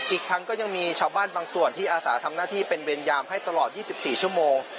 อีกทั้งก็ยังมีชาวบ้านบางส่วนที่อาสาทำหน้าที่เป็นเวรยามให้ตลอด๒๔ชั่วโมง